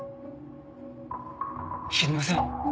知りません。